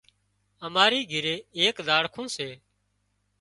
اماري گھري ايڪ زاڙکون سي